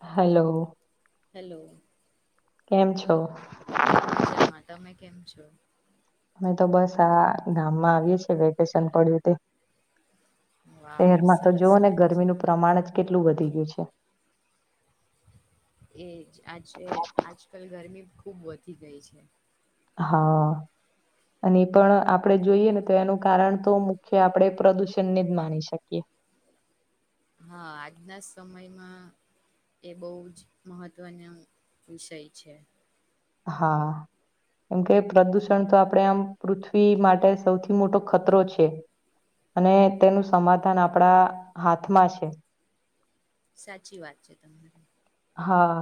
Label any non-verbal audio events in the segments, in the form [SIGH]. Hello. Hello. કેમ છો? તુ અ, મે તો બસ આ ગામમા આવીએ છીએ વેકેશન પડ્યું તે વાવ શહેરમા, તો સરસ જોવ ને વાત છે. ગરમીનું પ્રમાણ જ કેટલુ, વધી ગયુ છે. એજ, આજે આજકાલ ગરમી ખુબ, વધી ગઈ છે. [INAUDIBLE] અને પણ આપણે જોઈએને, તો એનું કારણ તો મુખ્ય આપણે પ્રદુષણને જ માની શકીએ. [INAUDIBLE] હા, આજના સમયમાં એ બહજ મહત્વનો વિષય છે. હા. કેમ કે પ્રદૂષણ તો આપણે આમ પૃથ્વી માટે સૌથી મોટો ખતરો છે. અને તેનું સમાધાન આપણા હાથમાં છે. સાચી વાત છે તમારી. હા,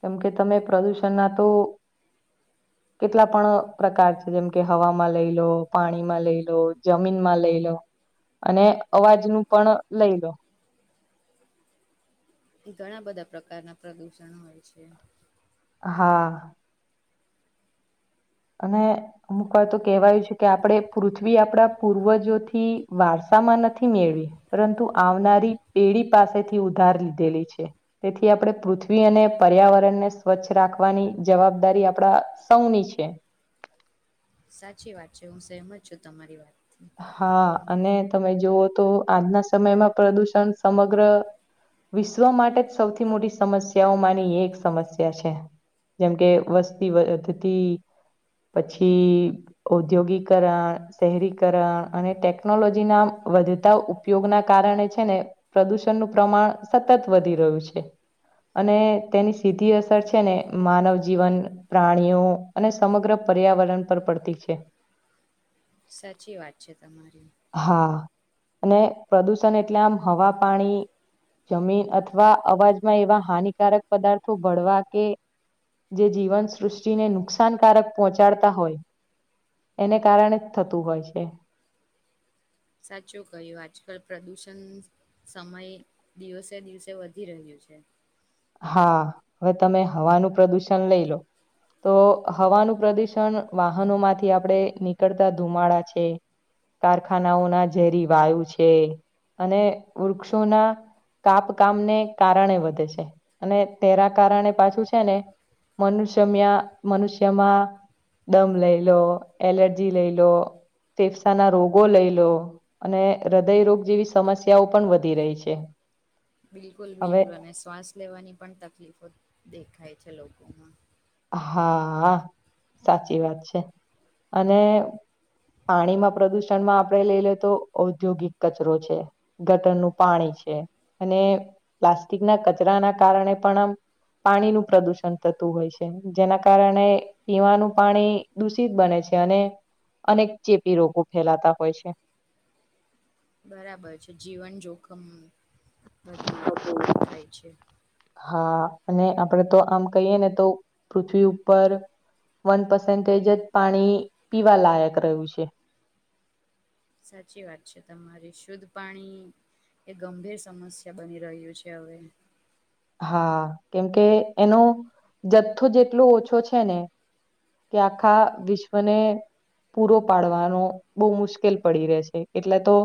કેમકે તમે પ્રદુષણના તો કેટલા પણ પ્રકાર છે. જેમ કે હવામાં લઈ લો, પાણીમાં લઈ લો, જમીનમાં લઈ લો અને અવાજનું પણ લઈ લો. ઈ ઘણા બધા પ્રકારના પ્રદુષણ હોય છે. હા. અને અમુક વાર તો કહેવાયું છે કે આપળે પૃથ્વી આપણા પૂર્વજોથી વારસ આમાં નથી મેળવી પરંતુ આવનારી પેઢી પાસેથી ઉધાર લીધેલી છે. તેથી આપળે પૃથ્વી અને પર્યાવરણ ને સ્વચ્છ રાખવાની જવાબદારી આપડા સૌની છે. સાચી વાત છે. હું સેહમત છું તમારી વાત હા, અને તમે જોવો તો આજના સમયમાં પ્રદુષણ સમગ્ર વિશ્વ માટે જ સૌથી મોટી સમસ્યાઓમાની એક સમસ્યા છે. જેમ કે વસ્તી વધતી પછી ઔદ્યોગીકરા શહેરી કરા અને ટેકનોલોજીના વધતા ઉપયોગના કારણે છે ને પ્રદુષણનું પ્રમાણ સતત વધી રહ્યું છે. અને તેની સીધી અસર છે ને માનવ જીવન, પ્રાણીઓ અને સમગ્ર પર્યાવરણ પર પડતી છે. સાચી વાત છે તમારી. હા, અને પ્રદુષણ એટલે આમ હવા પાણી જમીન અથવા અવાજમાં એવા હાનિકારક પદાર્થો ભળવા કે જે જીવનસૃષ્ટિને નુકસાનકારક પહોંચાડતા હોય એને કારણે જ થતું હોય છે. સાચું કહ્યું, આજકાલ પ્રદુષણ સમય દિવસે દિવસે વધી રહ્યું છે. હા, હવે તમે હવાનું પ્રદુષણ લઈ લો. તો હવાનું પ્રદુષણ વાહનો માંથી આપડે નીકળતા ધુમાડા છે, કારખાનાઓના ઝેરી વાયુ છે અને વૃક્ષોના કાપકામને કારણે વધે છે. અને તેરા કારણે પાછું છે ને મનુષ્યમ્યા મનુષ્યમાં દમ લઈ લો, એલર્જી લઈ લો ફેફસાના રોગો લઈ લો અને હૃદયરોગ જેવી સમસ્યાઓ પણ વધી રહી છે. બિલકુલ હવે બિલકુલ અને શ્વાસ લેવાની પણ તકલીફો દેખાય છે લોકોમાં. હા, સાચી વાત છે અને પાણીમાં પ્રદુષણમાં આપડે લઈ લે તો ઔદ્યોગિક કચરો છે, ગટરનું પાણી છે અને પ્લાસ્ટિકના કચરાના કારણે પણ આમ પાણીનું પ્રદુષણ થતું હોય છ. જેના કારણે પીવાનું પાણી દૂષિત બને છે અને અનેક ચેપી રોગો ફેલાતા હોય છે. બરાબર છે. જીવન જોખમ બધું દેખાય છે. હા અને આપડે તો આમ કઈયેને તો પૃથ્વી ઉપર વન પસન્ટેજ જ પાણી પીવા લાયક રહ્યું છે. સાચી વાત છે તમારી. શુદ્ધ પાણી એ ગંભીર સમસ્યા બની રહ્યું છે હવે. હા, કેમકે એનો જથ્થો જ એટલો ઓછો છે ને કે આખા વિશ્વને પૂરો પાડવાનો બૌ મુશ્કેલ પડી રેહ છે એટલે તો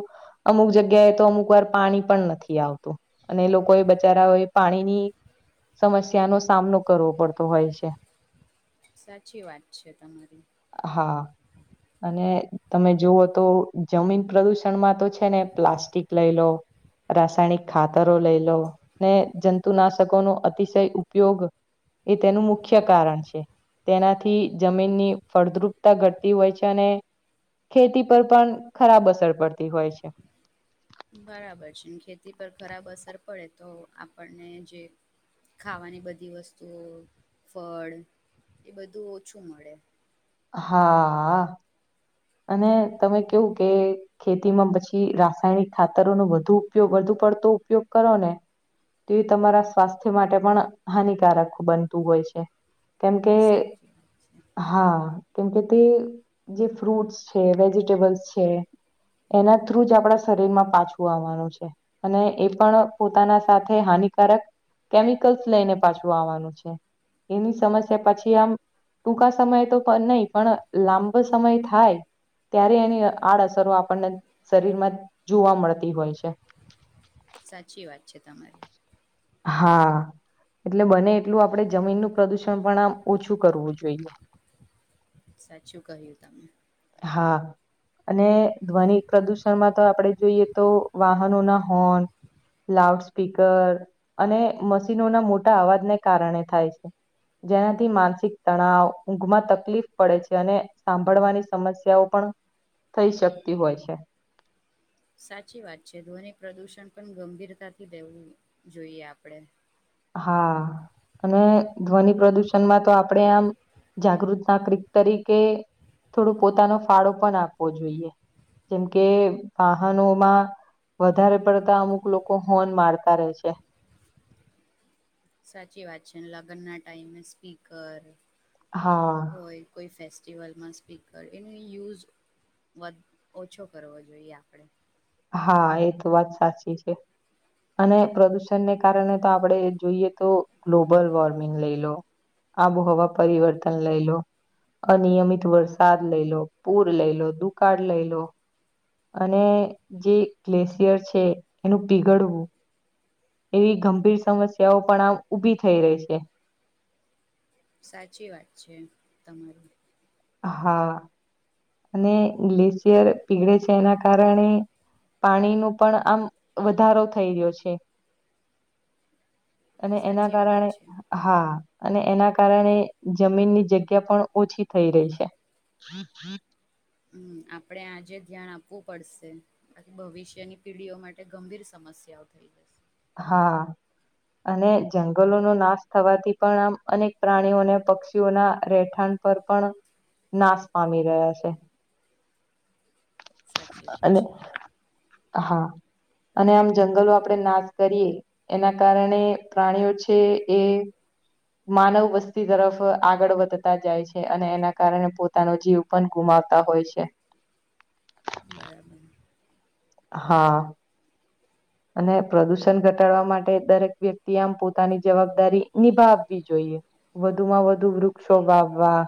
અમુક જગ્યાએ તો અમુક વાર પાણી પણ નથી આવતું અને લોકો એ બચારાઓએ પાણીની સમસ્યાનો સામનો કરવો પડતો હોય છે. સાચી વાત છે તમારી [INAUDIBLE] અને તમે જોવો તો જમીન પ્રદુષણમાં તો છે ને પ્લાસ્ટિક લઈ લો રાસાયણિક ખાતરો લઈ લો ને જંતુનાશકો નો અતિશય ઉપયોગ એ તેનું મુખ્ય કારણ છે. તેનાથી જમીનની ફળદ્રુપતા ઘટતી હોય છે અને ખેતી પર પણ ખરાબ અસર પડતી હોય છે. બરાબર છે ખેતી પર ખરાબ અસર પડે તો આપણને જે ખાવાની બધી વસ્તુઓ ફળ એ બધું ઓછું મળે. હા આ અને તમે કેવું કે ખેતીમાં પછી રાસાયણિક ખાતરોનો વધુ ઉપયોગ વધુ પડ તો ઉપયોગ કરો ને તે તમારા સ્વાસ્થ્ય માટે પણ હાનિકારક બનતું હોય છે. કેમકે સાચી વાત છે [INAUDIBLE] હા કેમકે તે જે ફ્રૂટ્સ છે, વેજીિટેબલ્સ છે, એના થ્રુજ આપણા શરીરમાં પાછું આવાનું છે અને એ પણ પોતાના સાથે હાન નિકારક કેમિકલ્સ લઈને પાછું આવાનું છે. એની સમસ્યા પછી આમ ટૂંકા સમય તો તો નઈ પણ લાંબો સમય થા થાય ત્યારે એનીઅ આડ અસરો આપણને શરીરમાં જોવા મળતી હોય છે. સાચી વાત છે તમારી હા એટલે બને એટલું આપણે જમીનનું પ્રદુષણ પણ આમ ઓછું કરવું જોઈએ. સાચું કહ્યું તમે હા અને ધ્વનિ પ્રદુષણમાં તો આપણે જોઈએ તો વાહનો ના હોર્ન લાઉડ સ્પીકર અને મશીનોના મોટા અવાજને કારણે થાય છે જેનાથી માનસિક તણાવ ઊંઘમાં તકલીફ પડે છે અને સાંભળવાની સમસ્યાઓ પણ થઈ શકતી હોય છે સાચી વાત છે ધ્વનિ પ્રદુષણ પણ ગંભીરતાથી લેવું જોઈએ આપડે હા અને ધ્વનિ પ્રદુષણ તો આપણે આમ જાગૃત ના કિક તરીકે થોડું પોતાનો ફાળો પણ આપવો જોઈએ જેમ કે વાહનોમાં વધારે પડતા અમુક લોકો હોન મારતા રહે છે સાચી વાત છે લગ્ન ના ટાઈમે સ્પીકર હા હોય કોઈ ફે ફેસ્ટિવલ સ્પીકર એનો યુઝ વધ ઓછો કરવો જોઈએ આપણે હા એ તો વાત સાચી છે અને પ્રદુષણને કારણે તો આપણે જોઈએ તો ગ્લોબલ વોર્મિંગ લઈ લો આબોહવા પરિવર્તન લઈ લો અનિયમિત વરસાદ લઈ લો પૂર લઈ લો દુકાળ લઈ લો અને જે ગ્લેશિયર છે એનું પીગળવું એવી ગંભીર સમસ્યાઓ પણ આમ ઊભી થઈ રહી છે સાચી વાત છે તમારી હા અને ગ્લેશિયર પીગળે છે એના કારણે પાણી નુ પણ આમ વધારો થઈ રહ્યો છે અને એના સાચી વાત કારણે છે હા અને એના કારણે જમીન ની જગ્યા પણ ઓછી થઈ, રહી છે. હમ, આપડે આજે ધ્યાન આપવું પડશે બાકી ભવિષ્યની પીઢીઓ માટે ગંભીર સમ સમસ્યાઓ થઈ, જશે હા અને જંગલો ન નાશ થવાથી. પણ આમ અનેક પ્રાણીઓ અને પક્ષીઓના રહેઠાણ પર પણ, નાશ પામી રહ્યા છે. સાચી વાત અને, છે હા અને આમ જંગલો આપણે નાશ, કરીએ એના કારણે પ્રાણીઓ છે, એ માનવ વસ્તી તરફ આગળ વધતા જાય છે, અને એના કારણે પોતાનો જીવ પણ ગુમા આવતા હોય છે. બાય આપબ હા અને પ્રદુષણ ઘટાડવા, માટે દરેક વ્યક્તિ આમ પોતાની જવાબદારી નિભાવવી જોઈએ વધુ માં વધુ વૃક્ષો, વાવવા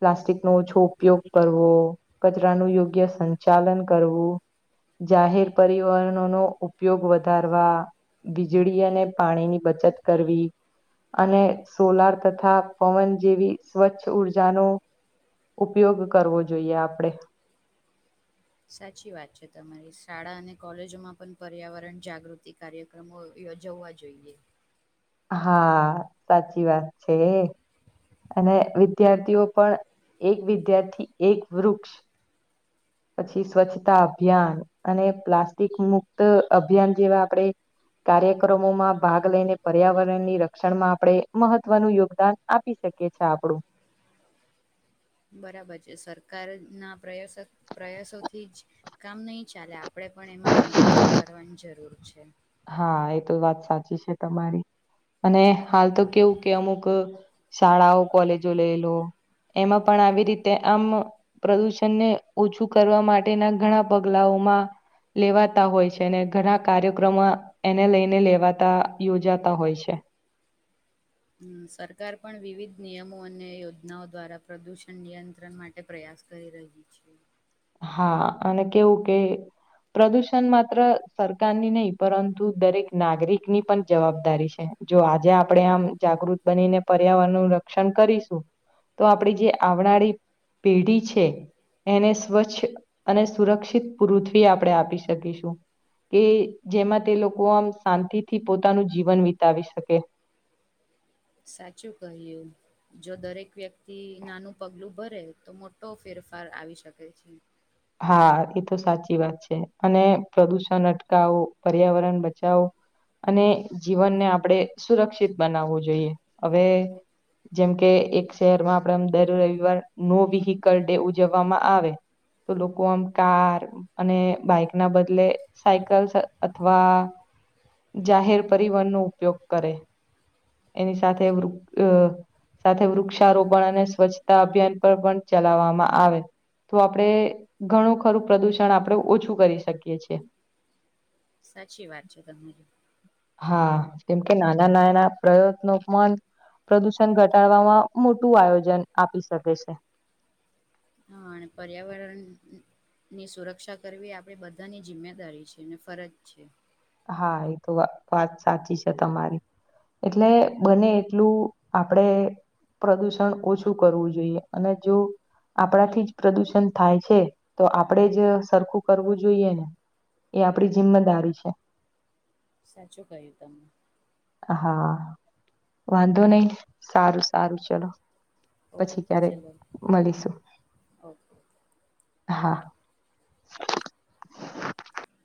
પ્લાસ્ટિક, નો ઓછો ઉપયોગ કરવો કચરાનું યોગ્ય સંચાલન કરવું જાહેર, પરિવહનો ન ઉપયોગ વધારવા વીજળી, અને પાણીની બચત કરવી અને સોલાર, તથા પવન જેવી સ્વચ્છ ઉર્જાનો ઉપયોગ કરવો જોઈએ, આપણે સાચી વાત છે, તમારી શાળા અને કોલેજોમાં પણ પર્યાવરણ જાગૃતિ કાર્યક્રમો, હો જવા, જોઈએ હા, સાચી વાત છે. અને વિદ્યાર્થીઓ, પણ એક વિદ્યાર્થી એક વૃક્ષ પછી સ્વચ્છતા, અભિયાન અને પ્લાસ્ટિક મુક્ત અભિયાન જેવા, આપણેે. કાર્યક્રમા, મા ભાગ લઈને પર્યાવરણની રક્ષણ મા આપણે મહત્વનું યોગદાન આપીશ શકે છે, આપડું બરાબર છે, સરકાર ના પ્રયાસ પ્રયાસોથી જ કામ નહી ચાલે આપ આપણે પણ એમા, કોન્ટ્રિબ્યુટ કરવાની જરૂર છે. હા, એ તો વાત સાચી છે. તમારી અને હ તો કેવું, કે અમુક શાળાઓ કોલેજો લઈ લો એમા, પણ આવી રીતે. આમ પ્રદુષણને ઓછુ, કરવા માટેના ઘણા પગલાઓ લેવાતા હોય, છે. ઘણા કાર્યક્રમો એને લઈને લેવાતા યોજાતા હોય, છે. હમ્મ સરકાર પણ વિવિધ નિયમો, અને યોજનાઓ દ્વારા પ્રદુષણ નિયંત્રણ માટે પ્રયાસ કરી ર છ. હા, અને કેવું કે પ્રદૂષણ માત્ર સરકારની નહી, પરંતુ દરેક નાગરિકની પણ જવાબદારી છે. જો આજે આપણેે, આમ જાગૃત બનીને પર્યાવરણ નુ રક્ષણ કરીશુ તો આપડી જે આવનારી પેઢી છે, એને સ્વચ્છ અને સુરક્ષિત પુૃથ્વી આપણે આપી શકીશુ કે જેમાં તે લોકો આમ શાંતિથી પોતાનું જીવન વિતાવી શકે [UNINTELLIGIBLE] સાચું કહય્યું, જો દરેક વ્યક્તિ નાનું પગલું ભરે તો મોટો ફેરફાર ફર આવી શકે છે. હા, એ તો સાચી વાત છે, અને પ્રદુષણ અટકાવો પર્યાવરણ બચાવો અને જીવનને આપણે સુરક્ષિત બનાવવુ, જોઈએ હવે જેમકે એક શહેરમાં આપડેમ દર રવિવાર, નો વેહકલ ડે ઉજવવામાં આવે તો લોકો આમ કાર અને બાઈક ના બદલે સાયકલ અથવા જાહેર પરિવહન, નો ઉપયોગ કરે એની સાથે વૃ સાથે વૃક્ષારોપણ અને સ્વચ્છતા, અભિયાન પર પણ ચલાવવામા આવે, તો આપણે ઘણું ખરું પ્રદુષણ આપણે ઓછું કરી શકીએ છેએ સાચી વાત છે તમરી હા કેમ કે નાના નાના પ્રયત્નો પણ પ્રદુષણ ઘટાડવામાં મોટું આયોજન આપી શકે છે હ પર્યાવરણ ની સુરક્ષા કરવી આપડી બધાની જિમ્મેદારી છે અને ફરજ છે હા એ તો વા વાત સાચી છે તમારી એટલે બને એટલું આપડે પ્રદુષણ ઓછું કરવું જોઈએ અને જો આપણાથી જ પ્રદુષણ થાય છે તો આપણેે જ સરખું કરવું જોઈએ ને એ આપડી જિમ્મેદારી છે સાચું કહ્યું તમે હા વાંધો નહી સારું સારું ચલો પછી ઓકે ક્યારે ચલો મળીશું ઓકે હા